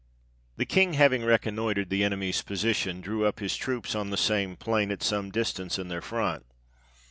The King having reconnoitred the enemy's position, drew up his troops on the same plain, at some distance in their front.